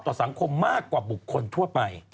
ต่อสังคมมากกว่าบุคคลทั่วไป